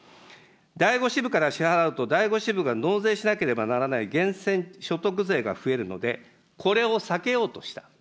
第５支部から支払うと、第５支部が納税しなければならない源泉所得税が増えるので、これを避けようとした。